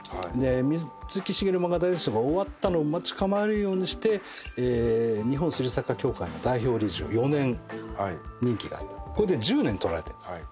『水木しげる漫画大全集』が終わったのを待ち構えるようにして日本推理作家協会の代表理事を４年任期があってこれで１０年取られてるんです。